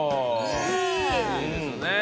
いいですね。